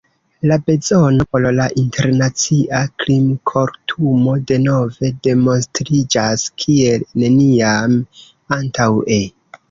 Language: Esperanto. La bezono por la Internacia Krimkortumo denove demonstriĝas kiel neniam antaŭe.